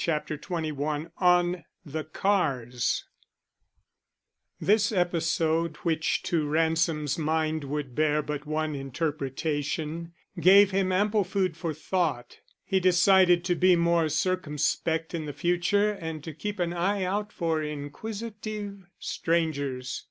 CHAPTER XXI ON THE CARS This episode, which to Ransom's mind would bear but one interpretation, gave him ample food for thought. He decided to be more circumspect in the future and to keep an eye out for inquisitive strangers.